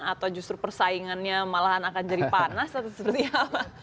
atau justru persaingannya malahan akan jadi panas atau seperti apa